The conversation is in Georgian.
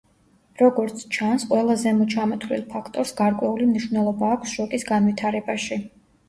როგორც ჩანს, ყველა ზემოჩამოთვლილ ფაქტორს გარკვეული მნიშვნელობა აქვს შოკის განვითარებაში.